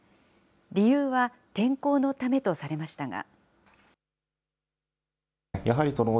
理由は天候のためとされましたが。